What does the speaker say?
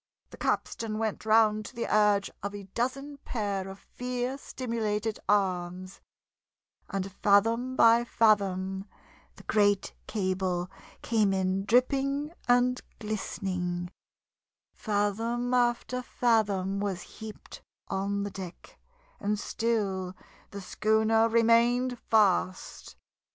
The capstan went round to the urge of a dozen pair of fear stimulated arms; and fathom by fathom the great cable came in dripping and glistening; fathom after fathom was heaped on the deck, and still the schooner remained fast.